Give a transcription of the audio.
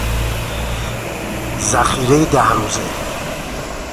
ذخیرهی ده روزه